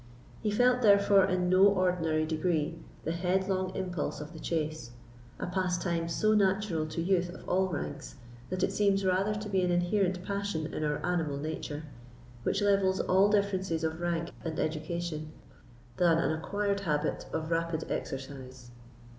He felt, therefore, in no ordinary degree, the headlong impulse of the chase, a pastime so natural to youth of all ranks, that it seems rather to be an inherent passion in our animal nature, which levels all differences of rank and education, than an acquired habit of rapid exercise.